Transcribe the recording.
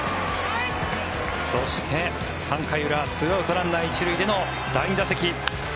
そして、３回裏２アウト、ランナー１塁での第２打席。